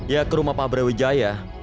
ya ke rumah pak brawijaya